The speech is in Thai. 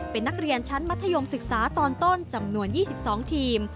เป็นนักเรียนชั้นมัธยมศึกษาตอนต้นจำนวน๒๒ทีม